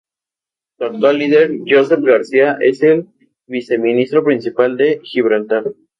Su actual líder, Joseph Garcia, es el viceministro principal de Gibraltar.